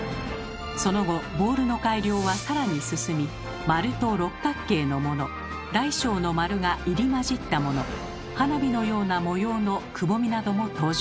その後ボールの改良はさらに進み丸と六角形のもの大小の丸が入り交じったもの花火のような模様のくぼみなども登場。